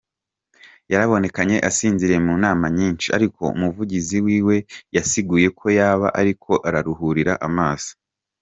Yarabonekanye asinziriye mu nama nyinshi ariko umuvugizi wiwe yasiguye ko yaba ariko araruhurira amaso.